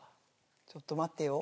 ちょっと待ってよ？